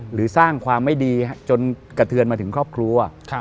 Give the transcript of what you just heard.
หรือสร้างความไม่ดีจนกระเทือนมาถึงครอบครัว